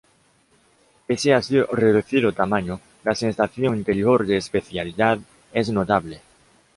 Pese a su reducido tamaño, la sensación interior de espacialidad es notable.